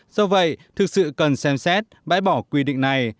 do vậy thực sự cần xem xét bãi bỏ quy định này